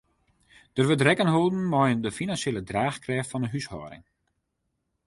Der wurdt rekken holden mei de finansjele draachkrêft fan 'e húshâlding.